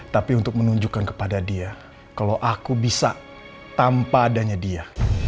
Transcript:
tapi untuk menunjukkan kepada dia kalau aku bisa tanpa adanya dia